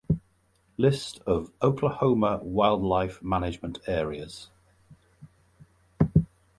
List of Oklahoma Wildlife Management Areas